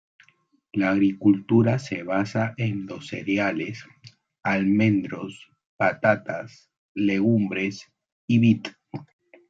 La agricultura se basa en los cereales, almendros, patatas, legumbres y vid.